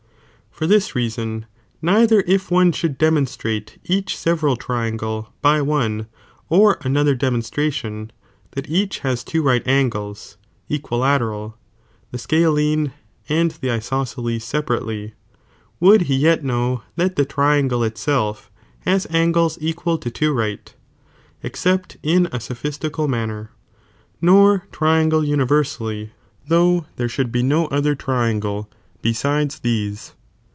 For this reason neither if one should demonatmte each several triangle fay one or another demon stntion, that each has two right angles, equilateral, the scalene, and the isosceles separately, would he yet know that the triangle (itself) has angles equal to two right, except in a. SophiaticaJ manner,* nor triangle universally, , though there should be no other triangle besides these.